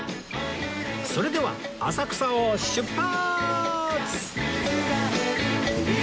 それでは浅草を出発！